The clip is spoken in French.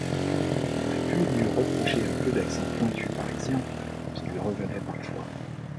On a pu lui reprocher un peu d’accent pointu parisien qui lui revenait parfois.